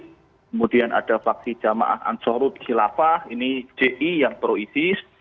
kemudian ada paksi jamaah ansarud jilafah ini ji yang pro isis